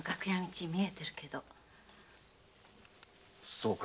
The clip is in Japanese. そうか。